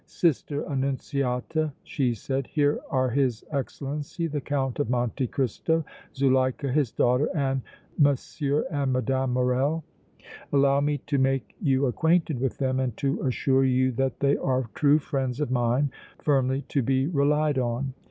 "Sister Annunziata," she said, "here are his Excellency the Count of Monte Cristo, Zuleika his daughter, and M. and Mme. Morrel. Allow me to make you acquainted with them and to assure you that they are true friends of mine, firmly to be relied on.